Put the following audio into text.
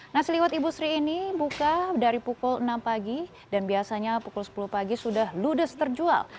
nasi liwet ibu sri ini buka dari pukul enam pagi dan biasanya pukul sepuluh pagi sudah ludes terjual